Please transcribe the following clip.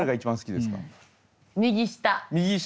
右下。